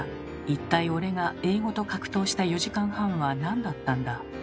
一体俺が英語と格闘した４時間半はなんだったんだ。